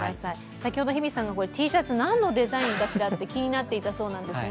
先ほど日比さんがＴシャツ、何のデザインかしらと気になっていたんですが。